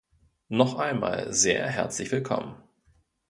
Noch einmal sehr herzlich Willkommen!